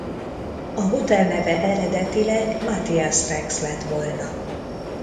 A hotel neve eredetileg Mathias Rex lett volna.